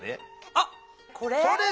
あっこれ？